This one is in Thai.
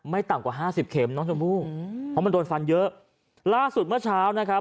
ต่ำกว่าห้าสิบเข็มน้องชมพู่อืมเพราะมันโดนฟันเยอะล่าสุดเมื่อเช้านะครับ